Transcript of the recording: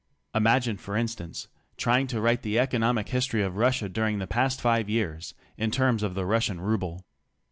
Imagine for instance trying to write the economic history of Russia dur ing the past five years in terms of the Russian ruble.